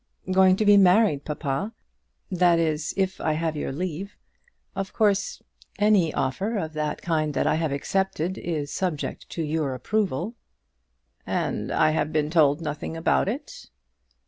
"Going to be married, papa. That is, if I have your leave. Of course any offer of that kind that I have accepted is subject to your approval." "And I have been told nothing about it!"